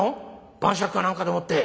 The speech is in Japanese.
晩酌かなんかでもって。